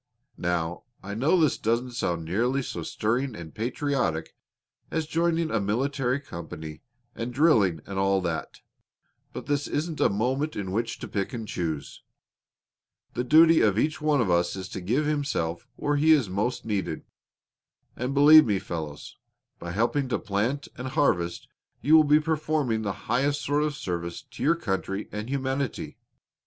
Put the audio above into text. Now, I know this doesn't sound nearly so stirring and patriotic as joining a military company and drilling and all that; but this isn't a moment in which to pick and choose. The duty of each one of us is to give himself where he is most needed. And, believe me, fellows, by helping to plant and harvest you will be performing the highest sort of service to your country and humanity.